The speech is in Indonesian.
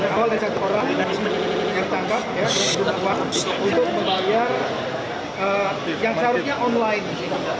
awal dari satu orang yang ditangkap yang dibutuhkan untuk membayar yang seharusnya online